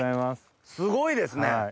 すごいですね。